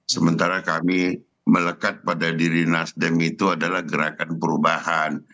sementara kami melekat pada diri nasdem itu adalah gerakan perubahan